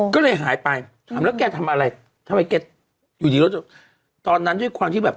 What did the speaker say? ก็เลยหายไปถามแล้วแกทำอะไรทำไมแกอยู่ดีแล้วตอนนั้นด้วยความที่แบบ